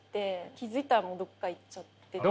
気付いたらもうどっかいっちゃってて。